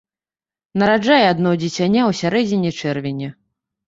Нараджае адно дзіцяня ў сярэдзіне чэрвеня.